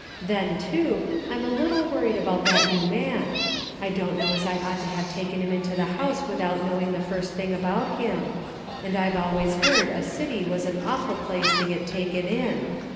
Then too, I'm a little worried about that new man. I don't know as I ought to have taken him into the house without knowing the first thing about him, and I've always heard a city Avas an awful place to get taken in.